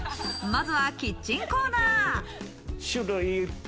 まずはキッチンコーナー。